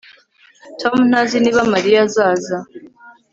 Tom ntazi niba Mariya azaza